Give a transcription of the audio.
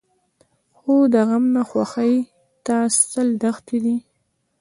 خو د غم نه خوښۍ ته سل دښتې دي.